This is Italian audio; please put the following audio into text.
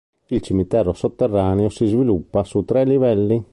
Il cimitero sotterraneo si sviluppa su tre livelli.